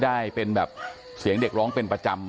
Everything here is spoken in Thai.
ฐานพระพุทธรูปทองคำ